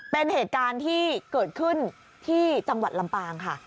เป็นเหตุการณ์ที่เกิดขึ้นที่จังหวัดลำปางค่ะ